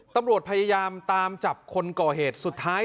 ตัมรวจพยายามตามจับคนก่อเหตุ